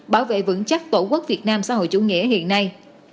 bảo vệ vững chắc tổ quốc việt nam xã hội chủ nghĩa hiện nay